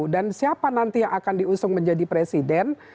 dan siapa nanti yang akan diusung menjadi presiden